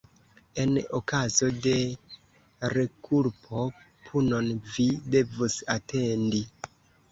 En okazo de rekulpo, punon vi devus atendi.